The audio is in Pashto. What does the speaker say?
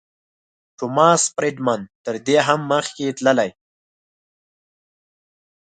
ټوماس فریډمن تر دې هم مخکې تللی.